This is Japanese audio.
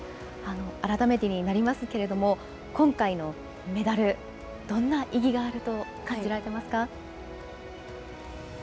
改めてになりますけれども、今回のメダル、どんな意義があると感じられてますか？